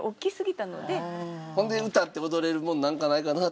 ほんで歌って踊れるもんなんかないかなと思って。